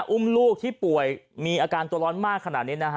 อุ้มลูกที่ป่วยมีอาการตัวร้อนมากขนาดนี้นะฮะ